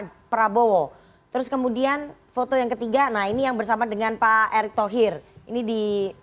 pak prabowo terus kemudian foto yang ketiga nah ini yang bersama dengan pak erick thohir ini di